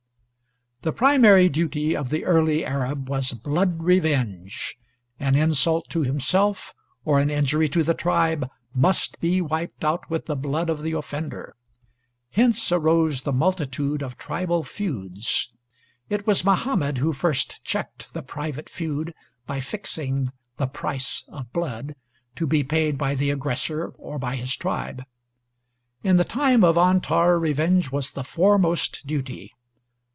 The primary duty of the early Arab was blood revenge. An insult to himself, or an injury to the tribe, must be wiped out with the blood of the offender. Hence arose the multitude of tribal feuds. It was Muhammad who first checked the private feud by fixing "the price of blood" to be paid by the aggressor or by his tribe. In the time of Antar revenge was the foremost duty.